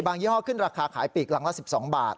ยี่ห้อขึ้นราคาขายปีกหลังละ๑๒บาท